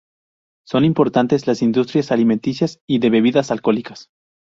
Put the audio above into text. Son importantes las industrias alimenticias y de bebidas alcohólicas.